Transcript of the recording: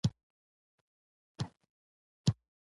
میاخانه هیله کوم زما سپارښتنه هغه ته وکړه.